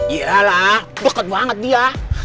iya lah deket banget dia